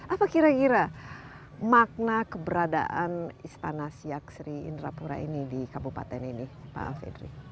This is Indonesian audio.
apa kira kira makna keberadaan istana siak sri indrapura ini di kabupaten ini pak alfedri